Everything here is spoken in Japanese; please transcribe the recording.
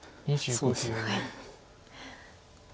そうですね。